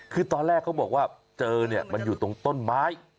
คือตอนแรกเขาบอกว่าเจอเนี่ยมันอยู่ตรงต้นไม้